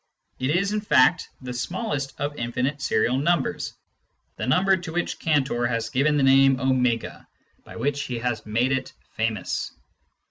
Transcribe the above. ; it is in fact the smallest of infinite serial numbers, the number to which Cantor has given the name <o, by which he has made it famous.